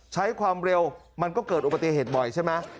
ใช้ความเร็วมันก็เกิดอุบัติเหตุบ่อยใช่ไหม